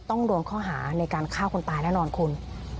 โดนข้อหาในการฆ่าคนตายแน่นอนคุณ